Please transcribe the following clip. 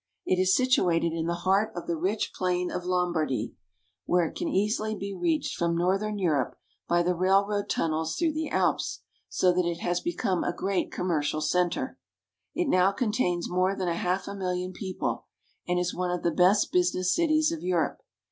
It is situated in the heart of the rich plain of Lombardy, where it can easily be reached from northern Europe by CARP. EUROPE — 25 408 ITALY. the railroad tunnels through the Alps, so that it has be come a great commercial center. It now contains more than a half million people, and is one of the best busi ness cities of Europe.